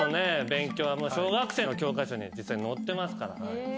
勉強は小学生の教科書に実際載ってますから。